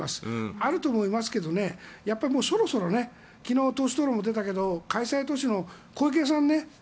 あると思いますがそろそろ昨日、党首討論出たけど開催都市の小池さんね。